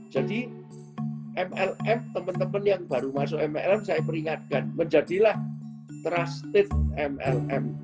jadi mlm teman teman yang baru masuk mlm saya peringatkan menjadilah trusted mlm